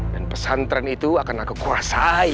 dan pesantren itu akan aku kuasai